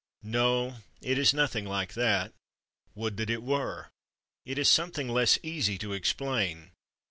No, it is nothing like that. Would that it were! It is something less easy to explain.